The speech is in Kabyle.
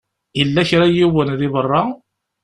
Yella kra n yiwen di beṛṛa.